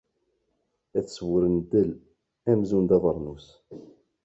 Ad sburren ddel amzun d abernus.